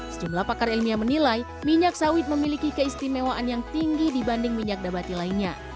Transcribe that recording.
sejumlah pakar ilmiah menilai minyak sawit memiliki keistimewaan yang tinggi dibanding minyak nabati lainnya